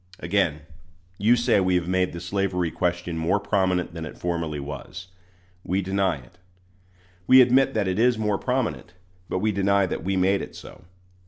Again, you say we have made the slavery question more prominent than it formerly was. We deny it. We admit that it is more prominent, but we deny that we made it so.